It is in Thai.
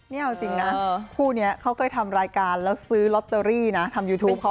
นี่เอาจริงนะคู่นี้เขาเคยทำรายการแล้วซื้อลอตเตอรี่นะทำยูทูปเขา